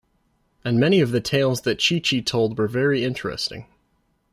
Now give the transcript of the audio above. And many of the tales that Chee-Chee told were very interesting.